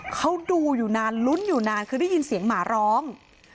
เขาดูอยู่นานลุ้นอยู่นานคือได้ยินเสียงหมาร้อง